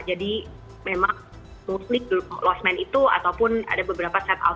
jadi memang muslim lost man itu ataupun ada beberapa set out